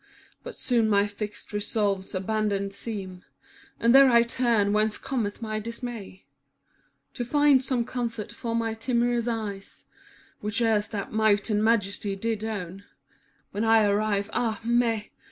But soon my fixed resolves abandoned seem; And there I turn whence cometh my dismay, To find some comfort for my timorous eyes, ^' Which erst that might and majesty did own: When I arrive, ah me